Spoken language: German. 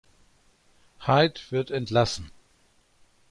Hyde wird entlassen.